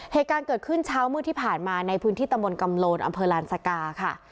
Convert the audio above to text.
เหตุการณ์เกิดขึ้นเช้ามืดที่ผ่านมาในพื้นที่ตำบลกำโลนอำเภอลานสกาค่ะ